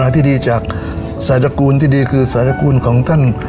ที่ดีจากสารกูลที่ดีคือสารกูลของท่าน